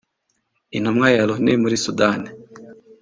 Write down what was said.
intumwa ya Loni muri Sudani